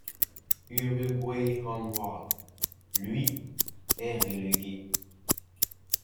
Uruguay Onward, lui, est relégué.